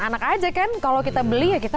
anak aja kan kalau kita beli ya kita